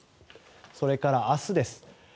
それから、明日です。